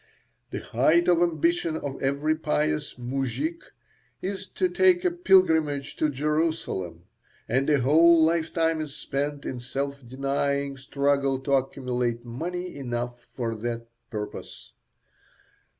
The height of ambition of every pious mujik is to make a pilgrimage to Jerusalem, and a whole lifetime is spent in self denying struggle to accumulate money enough for that purpose.